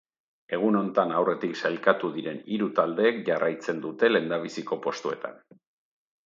Egunotan aurretik sailkatu diren hiru taldeek jarraitzen dute lehendabiziko postuetan.